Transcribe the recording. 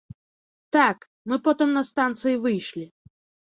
Так, мы потым на станцыі выйшлі.